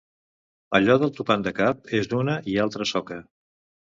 Allò del topant de cap en una i altra soca...